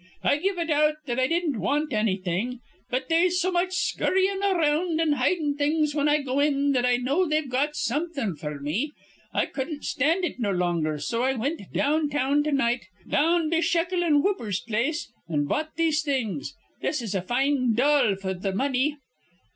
I give it out that I didn't want annything, but they'se so much scurryin' ar round an' hidin' things whin I go in that I know they've got something f'r me. I cudden't stand it no longer, so I wint down town to night, down be Shekel an' Whooper's place, an' bought these things. This is a fine doll f'r th' money."